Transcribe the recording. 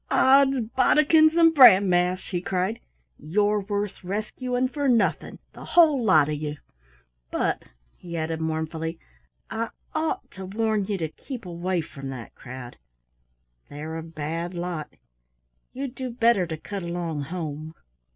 "Ods bodikins and bran mash!" he cried. "You're worth rescuing for nothing, the whole lot of you! But" he added mournfully "I ought to warn you to keep away from that crowd they're a bad lot. You'd do better to cut along home."